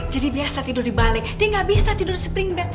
jadi biasa tidur di balai dia gak bisa tidur di spring bed